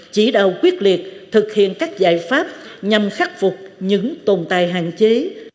chỉ đạo quyết liệt thực hiện các giải pháp nhằm khắc phục những tồn tại hạn chế